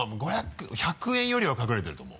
１００円よりは隠れてると思う。